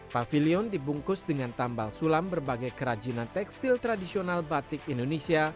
pavilion dibungkus dengan tambal sulam berbagai kerajinan tekstil tradisional batik indonesia